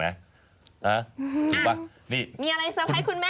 มีอะไรเซอร์ไพรส์คุณแม่คะ